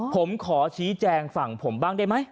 ผมขอชี้แจงฝั่งผมบ้างได้ไหม